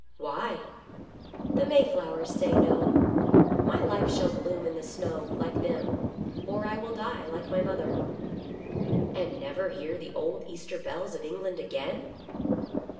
" Why ?"" The Mayflowers say no. My life shall bloom in the snow, like them, or I will die, like my mother." " And never hear the old Easter bells of England again